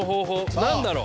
何だろう。